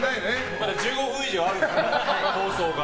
まだ１５分以上あるから、放送が。